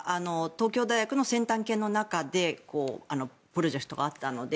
東京大学の先端研の中でプロジェクトがあったので。